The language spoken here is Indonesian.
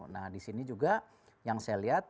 nah di sini juga yang saya lihat